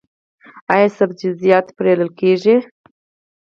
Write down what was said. ایا سبزیجات مینځئ؟